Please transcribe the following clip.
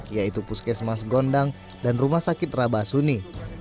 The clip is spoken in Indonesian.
yaitu puskesmas gondang dan rumah sakit rabah suni